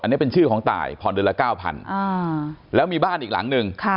อันนี้เป็นชื่อของตายผ่อนเดือนละ๙๐๐แล้วมีบ้านอีกหลังนึง